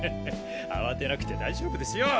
あわてなくて大丈夫ですよ！